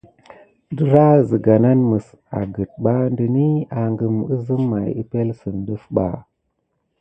Dərah zəga nan məs agət ɓa dəni agəm əzəm may əpelsən ɗəf ɓa.